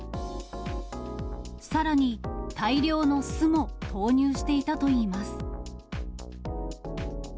さらに大量の酢も投入していたといいます。